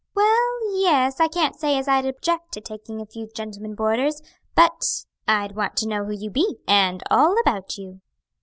"Well, yes, I can't say as I'd object to taking a few gentlemen boarders, but I'd want to know who you be, and all about you."